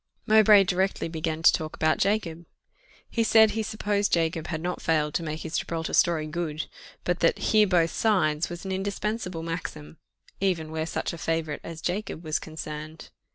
Mowbray directly began to talk about Jacob. He said he supposed Jacob had not failed to make his Gibraltar story good; but that "Hear both sides" was an indispensable maxim, even where such a favourite as Jacob was concerned.